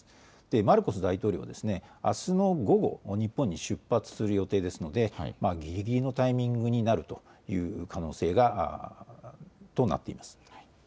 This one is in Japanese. マルコス大統領はあすの午後、日本に出発する予定ですのでぎりぎりのタイミングになるという可能性となっています。